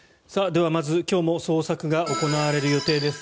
では、まず今日も捜索が行われる予定です